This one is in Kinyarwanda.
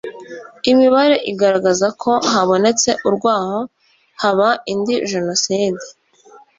imibare igaragaza ko habonetse urwaho haba indi jenoside